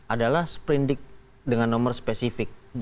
adalah sprindik dengan nomor spesifik